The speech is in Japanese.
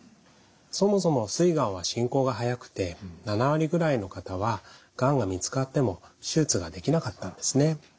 そもそもすいがんは進行が速くて７割ぐらいの方はがんが見つかっても手術ができなかったんですね。